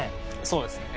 そうですね。